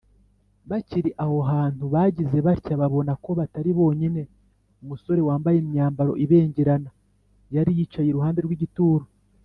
bakiri aho hantu, bagize batya babona ko batari bonyine umusore wambaye imyambaro ibengerana yari yicaye iruhande rw’igituro